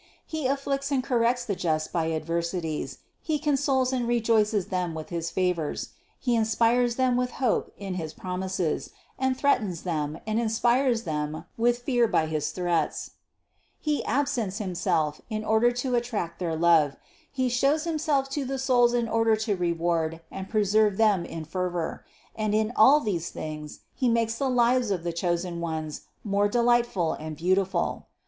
He afflicts and cor rects the just by adversities, He consoles and rejoices them with his favors, He inspires them with hope in his promises, and threatens them and inspires them with fear by his threats; He absents Himself in order to attract their love, He shows Himself to the souls in order to reward and preserve them in fervor, and in all these things He makes the lives of the chosen ones more de lightful and beautiful.